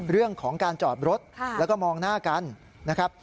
เรื่องของการจอดรถแล้วก็มองหน้ากันนะครับ